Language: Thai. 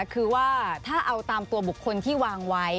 คือว่าถ้าเอาตามตัวบุคคลที่วางไว้